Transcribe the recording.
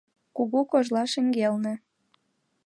Кугу кожла шеҥгелне.